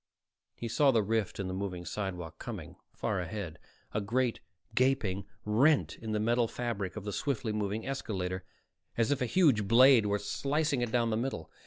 He saw the rift in the moving sidewalk coming, far ahead, a great, gaping rent in the metal fabric of the swiftly moving escalator, as if a huge blade were slicing it down the middle.